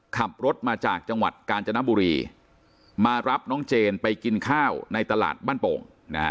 ขับรถมาจากจังหวัดกาญจนบุรีมารับน้องเจนไปกินข้าวในตลาดบ้านโป่ง